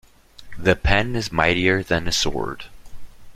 The pen is mightier than the sword.